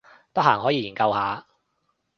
得閒可以研究下